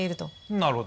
なるほど！